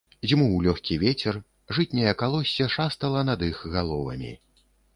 Дзьмуў лёгкі вецер, жытняе калоссе шастала над іх галовамі.